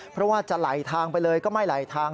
เพราะว่าจะไหลทางไปเลยก็ไม่ไหลทาง